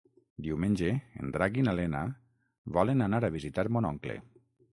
Diumenge en Drac i na Lena volen anar a visitar mon oncle.